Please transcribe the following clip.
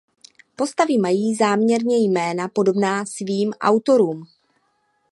Postavy mají záměrně jména podobná "svým" autorům.